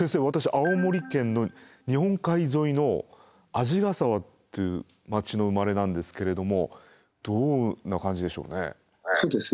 私青森県の日本海沿いの鰺ヶ沢という町の生まれなんですけれどもどんな感じでしょうね。